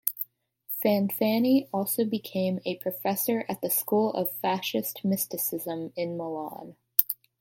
Fanfani also became a professor at the School of Fascist Mysticism in Milan.